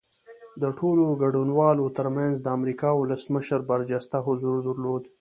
د ټولو ګډونوالو ترمنځ د امریکا ولسمشر برجسته حضور درلود